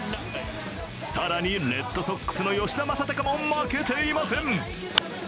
更にレッドソックスの吉田正尚も負けていません。